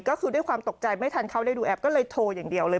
ก็คือด้วยความตกใจไม่ทันเข้าได้ดูแอปก็เลยโทรอย่างเดียวเลย